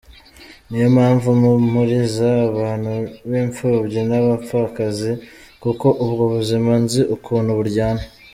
Niyo mpamvu mpumuriza abantu b’imfubyi n’abapfakazi kuko ubwo buzima nzi ukuntu buryana.